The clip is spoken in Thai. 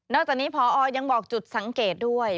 จากนี้พอยังบอกจุดสังเกตด้วย